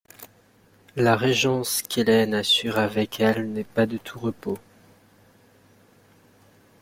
La régence, qu'Hélène assure avec l' n'est pas de tout repos.